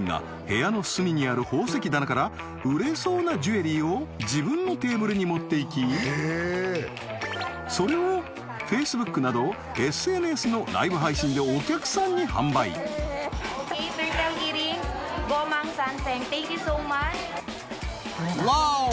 部屋の隅にある宝石棚から売れそうなジュエリーを自分のテーブルに持っていきそれをＦａｃｅｂｏｏｋなどＳＮＳのライブ配信でお客さんに販売ワオ